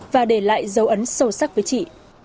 và để lại dấu ấn sâu sắc với chị